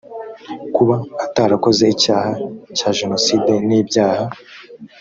kuba atarakoze icyaha cya genocide n ibyaha